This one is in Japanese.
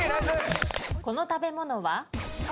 この食べ物は？